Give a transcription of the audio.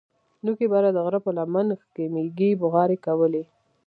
نوکي بره د غره په لمن کښې مېږې بوغارې کولې.